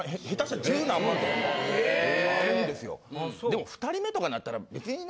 でも２人目とかになったら別にね